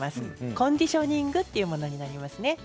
コンディショニングというものになりますね。